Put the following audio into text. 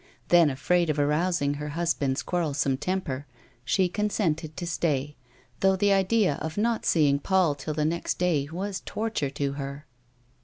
Then, afraid of arousing her husband's quarrelsome temper, she consented to stay, though the idea of not seeing Paul till the next day (vas torture to her.